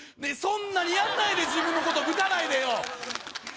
そんなにやんないで自分のことぶたないでよ